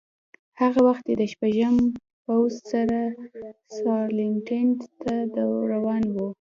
هغه وخت دی د شپږم پوځ سره ستالینګراډ ته روان و